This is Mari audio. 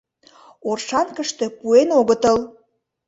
Оршанкыште пуэн огытыл!